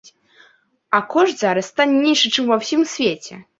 А кошт зараз таннейшы, чым ва ўсім свеце.